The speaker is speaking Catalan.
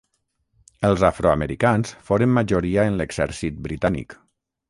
Els afroamericans foren majoria en l'exèrcit britànic.